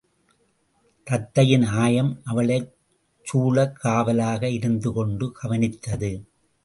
தத்தையின் ஆயம் அவளைச் சூழக் காவலாக இருந்து கொண்டு கவனித்தது.